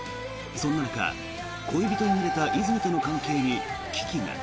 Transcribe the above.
そんな中、恋人になれた和泉との関係に危機が。